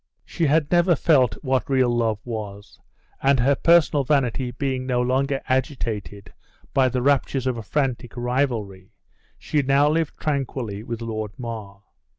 She had never felt what real love was, and her personal vanity being no longer agitated by the raptures of a frantic rivalry, she now lived tranquilly with Lord Mar.